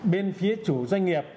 bên phía chủ doanh nghiệp